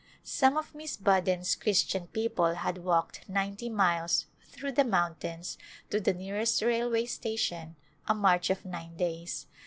Some of Miss Budden's Christian people had walked ninety miles through the mountains to the nearest rail way station — a march of nine days.